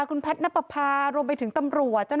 คุณแพทย์นับประพารวมไปถึงตำรวจ